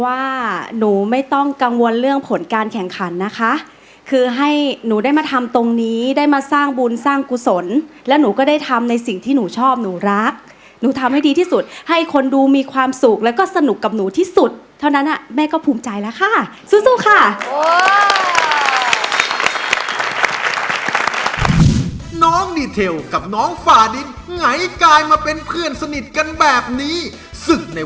ว่าหนูไม่ต้องกังวลเรื่องผลการแข่งขันนะคะคือให้หนูได้มาทำตรงนี้ได้มาสร้างบุญสร้างกุศลและหนูก็ได้ทำในสิ่งที่หนูชอบหนูรักหนูทำให้ดีที่สุดให้คนดูมีความสุขแล้วก็สนุกกับหนูที่สุดเท่านั้นอ่ะแม่ก็ภูมิใจแล้วค่ะสู้สู้ค่ะ